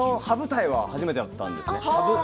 羽二重は初めてだったんです。